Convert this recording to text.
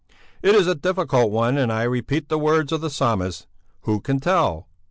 It is a difficult one, and I repeat the words of the psalmist: Who can tell?